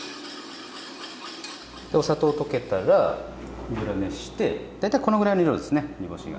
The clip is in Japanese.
でお砂糖溶けたら油熱して大体このぐらいの量ですね煮干しが。